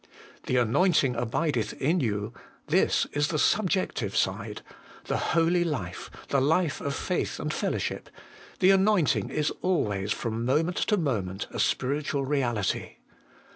'The anointing abideth in you,' this is the subjective side ; the holy life, the life of faith and fellowship, the anointing, is always, from moment to moment, a spiritual reality.